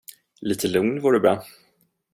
Lite lugn vore bra.